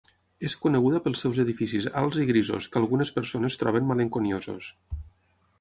És coneguda pels seus edificis alts i grisos que algunes persones troben malenconiosos.